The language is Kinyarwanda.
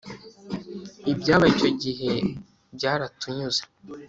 ibyabaye icyo gihe byaratunyuze.